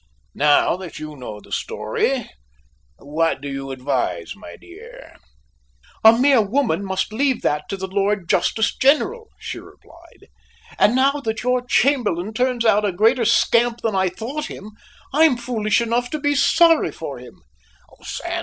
Now that you know the story, what do you advise, my dear?" "A mere woman must leave that to the Lord Justice General," she replied. "And now that your Chamberlain turns out a greater scamp than I thought him, I'm foolish enough to be sorry for him."